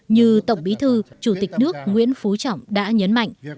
như tổng bí thư chủ tịch nước nguyễn phú trọng đã nhấn mạnh